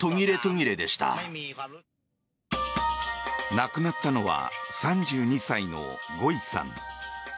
亡くなったのは３２歳のゴイさん。